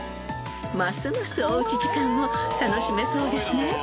［ますますおうち時間を楽しめそうですね］